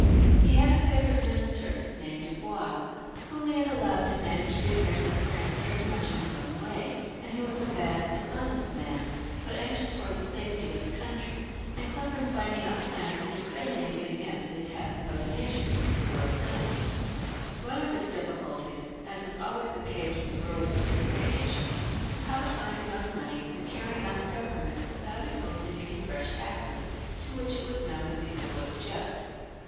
He had a favourite minister, named Dubois, whom he allowed to manage the affairs of France very much in his own way, and who was a bad dishonest man, but anxious for the safety of the country, and clever in finding out plans for defending it against the attacks of the other nations who were its enemies. One of his great difl&culties, as is always the case with the rulers of any great nation, was how to find enough money for carrying on the Govern ment without putting on any fresh taxes, to which it was known the people would object.